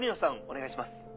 お願いします。